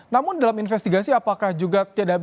namun dalam investigasi apakah juga tidak bisa diidentifikasi